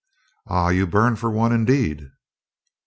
"Ay, you burn for one, indeed."